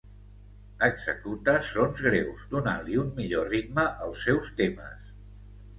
Executa sons greus, donant-li un millor ritme als seus temes.